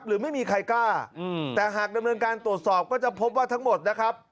หรือไม่มีใครกล้าแต่หากดำเนินการตรวจสอบก็จะพบว่าทั้งหมดนะครับ